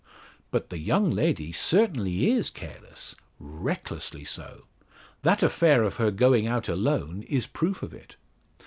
"But the young lady certainly is careless recklessly so. That affair of her going out alone is proof of it.